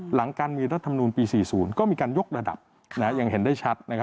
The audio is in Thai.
หลังการมีรัฐธรรมนุนปี๔๐ก็มีการยกระดับนะยังเห็นได้ชัดนะครับ